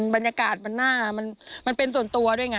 บรรยากาศมันน่ามันเป็นส่วนตัวด้วยไง